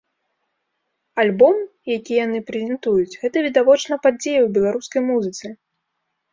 Альбом, які яны прэзентуюць, гэта, відавочна, падзея ў беларускай музыцы.